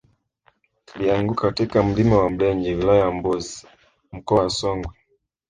kilianguka katika mlima wa mlenje wilayani mbozi mkoa wa songwe